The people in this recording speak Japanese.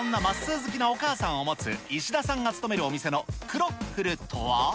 好きなお母さんを持つ石田さんが勤めるお店のクロッフルとは。